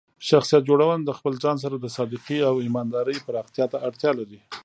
شخصیت جوړونه د خپل ځان سره د صادقۍ او ایماندارۍ پراختیا ته اړتیا لري.